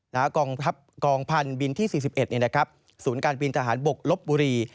กองทัพกองพันธุ์บินที่สี่สิบเอ็ดเนี่ยนะครับศูนย์การบินทหารบกลบบุรี